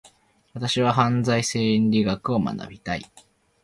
私は犯罪心理学を学びたい。